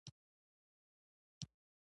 دی تر ور مېږ لاندې په ملا کې وېشتل شوی و.